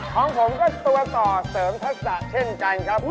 ของผมก็ตัวต่อเสริมทักษะเช่นกันครับ